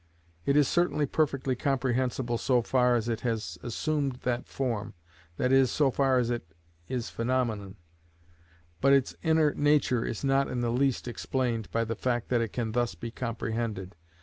It is certainly perfectly comprehensible so far as it has assumed that form, that is, so far as it is phenomenon, but its inner nature is not in the least explained by the fact that it can thus be comprehended.